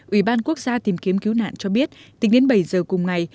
ủy ban quốc gia tìm kiếm cứu nạn cho biết tính đến bảy giờ cùng ngày